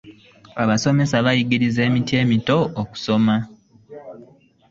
Abasomesa bayigiriza emiti emito okusoma .